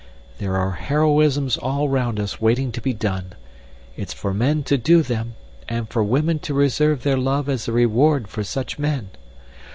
There are heroisms all round us waiting to be done. It's for men to do them, and for women to reserve their love as a reward for such men.